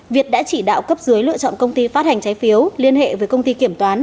việt đã chỉ đạo cấp dưới lựa chọn công ty phát hành trái phiếu liên hệ với công ty kiểm toán